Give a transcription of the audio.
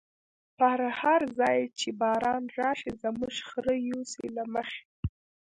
په هر ځای چی باران راشی، زمونږ خره یوسی له مخی